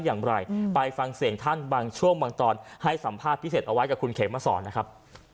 อย่างไรไปฟังเสียงท่านบางช่วงบางตอนให้สัมภาษณ์พิเศษเอาไว้กับคุณเขมสอนนะครับ